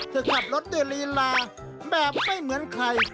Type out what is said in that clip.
เธอขับรถดีลีลาแบบไม่เหมือนใคร